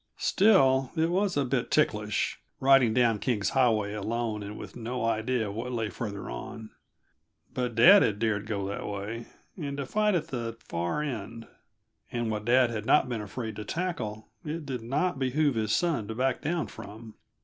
Still, it was a bit ticklish, riding down King's Highway alone and with no idea of what lay farther on. But dad had dared go that way, and to fight at the far end; and what dad had not been afraid to tackle, it did not behoove his son to back down from.